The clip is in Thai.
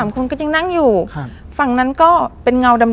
คนก็ยังนั่งอยู่ฝั่งนั้นก็เป็นเงาดำ